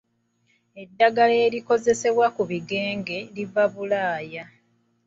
Eddagala erikozesebwa ku bigenge liva Bulaaya.